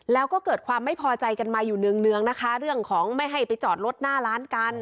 แล้วก็เกิดความไม่พอใจกันมาอยู่เนืองนะคะเรื่องของไม่ให้ไปจอดรถหน้าร้านกัน